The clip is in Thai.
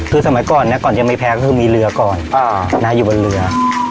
คือสมัยก่อนก่อนยังไม่แพ้ก็คือมีเรือก่อนอยู่บนเรือ